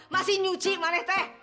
masih nyuci mana itu